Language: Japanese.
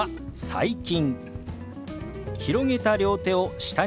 「最近」。